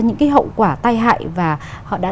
những cái hậu quả tai hại và họ đã